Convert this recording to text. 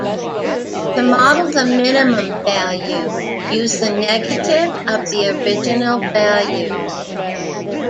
To model the minimum value, use the negative of the original values.